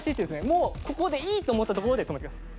もうここでいいと思ったところで止めてください。